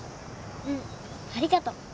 うんありがとう。